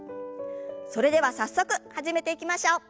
それでは早速始めていきましょう。